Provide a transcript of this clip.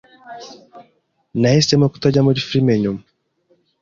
Nahisemo kutajya muri firime nyuma.